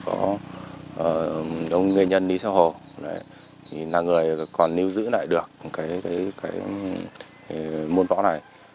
ông nghệ nhân lý xeo hồ là người còn lưu sử lại được môn võ này